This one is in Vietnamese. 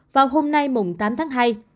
vào hôm nay tám tháng hai